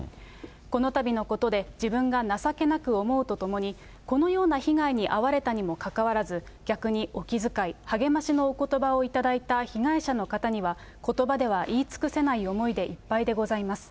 このたびのことで、自分が情けなく思うとともに、このような被害に遭われたにもかかわらず、逆にお気遣い、励ましのおことばをいただいた被害者の方には、ことばでは言い尽くせない思いでいっぱいでございます。